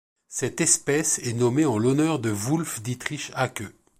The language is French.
Cette espèce est nommée en l'honneur de Wulf Dietrich Haacke.